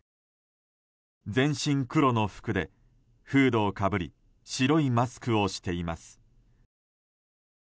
全身黒の服でフードをかぶり白いマスクをしています。